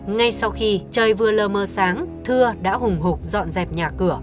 ngay sau khi chơi vừa lơ mơ sáng thưa đã hùng hục dọn dẹp nhà cửa